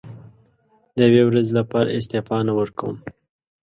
د یوې ورځې لپاره استعفا نه ورکووم.